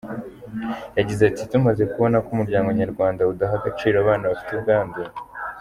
Yagize ati ‘Tumaze kubona ko umuryango nyarwanda udaha agaciro abana bafite ubwandu.